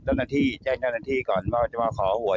เจ้าหน้าที่แจ้งเจ้าหน้าที่ก่อนว่าจะมาขอหวย